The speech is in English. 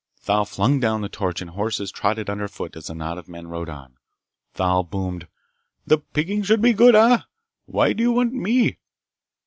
Thal flung down the torch and horses trod it underfoot as the knot of men rode on. Thal boomed: "The pickings should be good, eh? Why do you want me?"